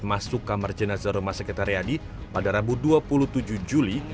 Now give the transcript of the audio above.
masuk kamar jenazah rumah sakit aryadi pada rabu dua puluh tujuh juli